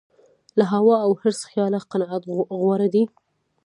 له هوا او حرص خیاله قناعت غوره دی.